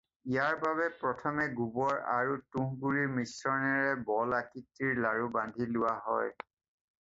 ইয়াৰ বাবে প্ৰথমে গোবৰ আৰু তুঁহগুড়িৰ মিশ্ৰণেৰে বল আকৃতিৰ লাৰু বান্ধি লোৱা হয়।